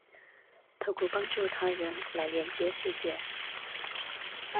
透過幫助他人來連結世界